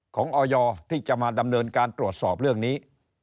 ออยที่จะมาดำเนินการตรวจสอบเรื่องนี้